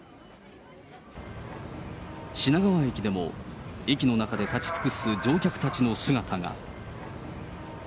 品川駅でも、駅の中で立ち尽くす乗客たちの姿が。